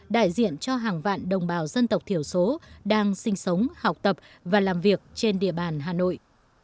đại diện cho hàng vạn đồng bào dân tộc thiểu số đang sinh sống học tập và làm việc trên địa bàn hà nội